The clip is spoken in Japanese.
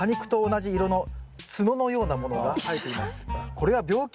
「これは病気？